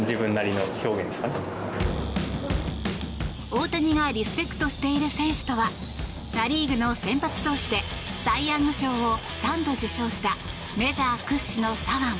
大谷がリスペクトしている選手とはナ・リーグの先発投手でサイ・ヤング賞を３度受賞したメジャー屈指の左腕